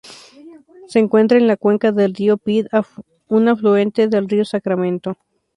Se encuentra en la cuenca del río Pit, un afluente del río Sacramento.